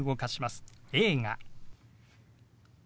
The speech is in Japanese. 「映画」。